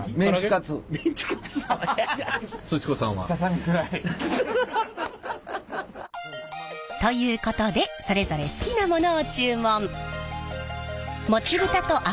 すち子さんは？ということでそれぞれ好きなものを注文。